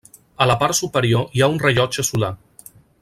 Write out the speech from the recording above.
A la part superior hi ha un rellotge solar.